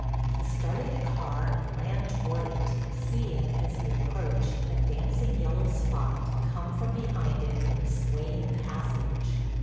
He started the car and ran toward it, seeing as he approached a dancing yellow spot come from behind it in swaying passage.